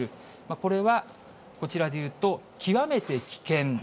これは、こちらでいうと極めて危険。